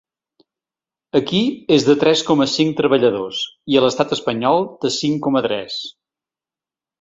Aquí, és de tres coma cinc treballadors, i a l’estat espanyol, de cinc coma tres.